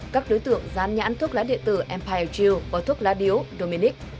các đối tượng dán nhãn thuốc lá địa tử empire chill và thuốc lá điếu dominic